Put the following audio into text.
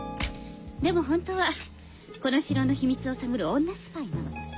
でも本当はこの城の秘密を探る女スパイなの。